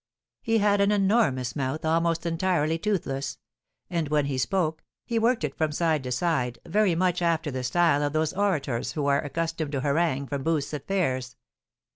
He had an enormous mouth, almost entirely toothless; and, when he spoke, he worked it from side to side, very much after the style of those orators who are accustomed to harangue from booths at fairs.